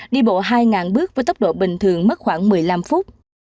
đi bộ hai bước với tốc độ bình thường mất khoảng một mươi năm phút